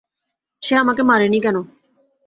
সে আমাকে মারেনি কেন?